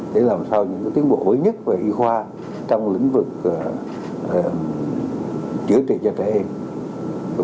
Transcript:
để làm sao những tiến bộ mới nhất về y khoa trong lĩnh vực chữa trị cho trẻ em